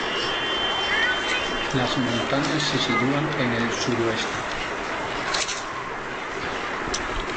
Las montañas se sitúan en el suroeste.